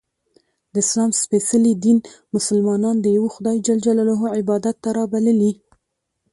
د اسلام څپېڅلي دین ملسلمانان د یوه خدایﷻ عبادت ته رابللي